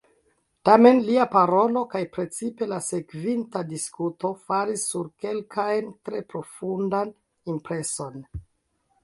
Tamen lia parolo, kaj precipe la sekvinta diskuto, faris sur kelkajn tre profundan impreson.